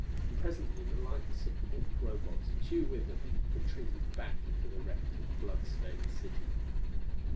And presently the lights of the balked Robots, Tugh with them, retreated back into the wrecked and blood stained city.